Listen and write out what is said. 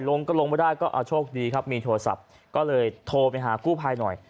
ลงก็ลงไม่ได้ก็เอาโชคดีครับมีโทรศัพท์ก็เลยโทรไปหากู้ภัยหน่อย